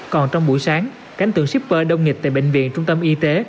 còn trong buổi sáng cánh tượng shipper đông nghịch tại bệnh viện trung tâm y tế